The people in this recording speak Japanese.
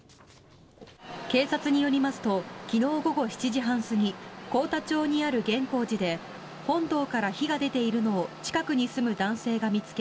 警察によりますと昨日午後７時半過ぎ幸田町にある玄好寺で本堂から火が出ているのを近くに住む男性が見つけ